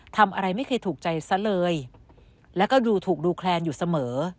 ทำอะไรไม่เคยถูกใจซะเลยแล้วก็ดูถูกดูแคลนอยู่เสมอ